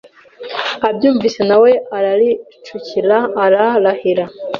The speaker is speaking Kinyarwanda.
abyumvishe nawe araricurika ararahira